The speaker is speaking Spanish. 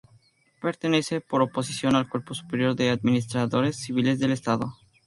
Pertenece por oposición al Cuerpo Superior de Administradores Civiles del Estado.